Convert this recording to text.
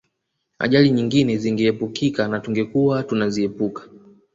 Ajali nyingine zingeepukika na tungekuwa tunaziepuka